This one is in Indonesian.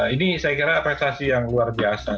ini saya kira prestasi yang luar biasa